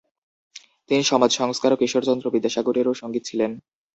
তিনি সমাজ সংস্কারক ঈশ্বরচন্দ্র বিদ্যাসাগরেরও সঙ্গী ছিলেন।